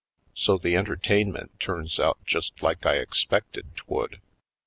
So the entertainment turns out just like I expected 'twould.